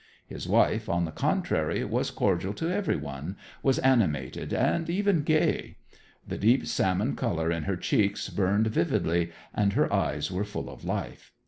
His wife, on the contrary, was cordial to every one, was animated and even gay. The deep salmon color in her cheeks burned vividly, and her eyes were full of life.